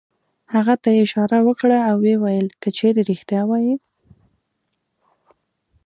هغه ته یې اشاره وکړه او ویې ویل: که چېرې رېښتیا وایې.